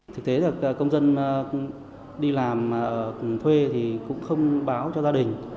thực tế là công dân đi làm thuê thì cũng không báo cho gia đình